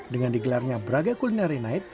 dengan digelarnya braga culinary night